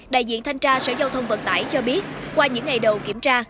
đại diện thanh tra sở giao thông vận tải cho biết qua những ngày đầu kiểm tra